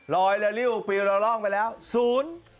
ร้อยแล้วริ้วร้องไปแล้วศูนย์